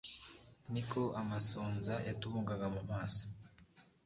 ni ko amasonza yatubungaga mu maso.